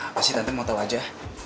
apa sih tante mau tau aja